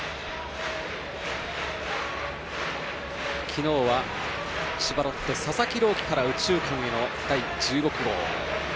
昨日は千葉ロッテ、佐々木朗希から右中間への第１６号。